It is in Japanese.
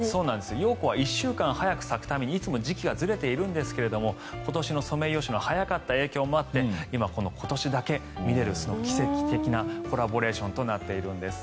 ヨウコウは１週間早く咲くためにいつも時期がずれているんですが今年のソメイヨシノは早かった影響もあって今、今年だけ見られる奇跡的なコラボレーションとなっているんです。